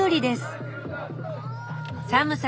寒さ